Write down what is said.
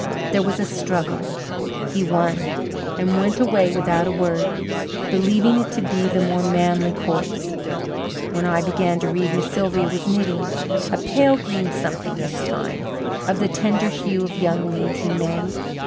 There was a struggle; he won, and went away without a word, believing it to be the more manly course. When I began to read Miss Sylvia was knitting, a pale green something this time, of the tender hue of young leaves in May.